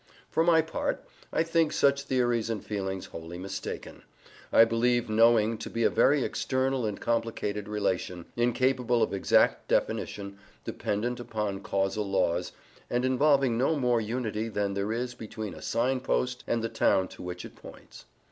For my part, I think such theories and feelings wholly mistaken: I believe knowing to be a very external and complicated relation, incapable of exact definition, dependent upon causal laws, and involving no more unity than there is between a signpost and the town to which it points.